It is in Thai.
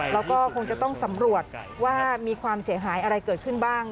แล้วก็คงจะต้องสำรวจว่ามีความเสียหายอะไรเกิดขึ้นบ้าง